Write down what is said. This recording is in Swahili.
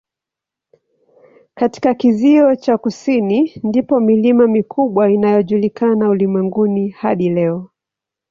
Katika kizio cha kusini ndipo milima mikubwa inayojulikana ulimwenguni hadi leo.